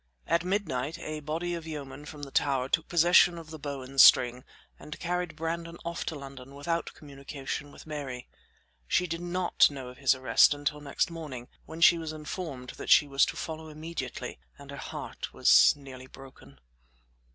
At midnight a body of yeomen from the tower took possession of the Bow and String, and carried Brandon off to London without communication with Mary. She did, not know of his arrest until next morning, when she was informed that she was to follow immediately, and her heart was nearly broken.